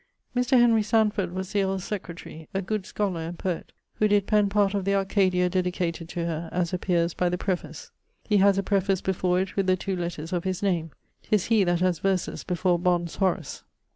Mr. Henry Sanford was the earle's secretary, a good scholar and poet, and who did penne part of the Arcadia dedicated to her (as appeares by the preface). He haz a preface before it with the two letters of his name. 'Tis he that haz verses before Bond's Horace.